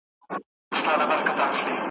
د شیطان پر پلونو پل ایښی انسان دی ,